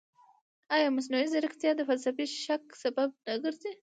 ایا مصنوعي ځیرکتیا د فلسفي شک سبب نه ګرځي؟